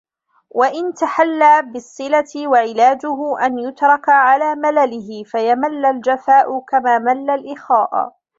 وَإِنْ تَحَلَّى بِالصِّلَةِ وَعِلَاجُهُ أَنْ يُتْرَكَ عَلَى مَلَلِهِ فَيَمَلَّ الْجَفَاءَ كَمَا مَلَّ الْإِخَاءَ